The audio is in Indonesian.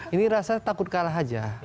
ini rasanya takut kalah aja